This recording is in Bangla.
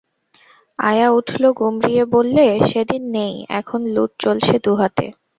আয়া উঠল গুমরিয়ে, বললে, সেদিন নেই, এখন লুঠ চলছে দু হাতে।